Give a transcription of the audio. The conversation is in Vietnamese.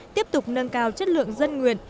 tiếp tục nâng cao chất lượng dân nguyện